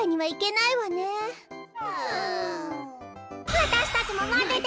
わたしたちもまぜて。